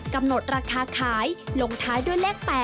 กำหนดราคาขายลงท้ายด้วยเลข๘